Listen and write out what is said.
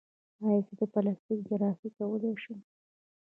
ایا زه پلاستیکي جراحي کولی شم؟